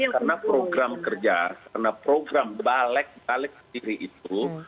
karena program kerja karena program balik balik sendiri itu